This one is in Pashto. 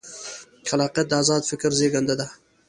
خلاقیت د ازاد فکر زېږنده دی.